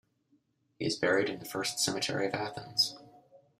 He is buried in the First Cemetery of Athens.